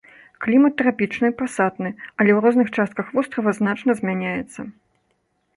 Клімат трапічны пасатны, але ў розных частках вострава значна змяняецца.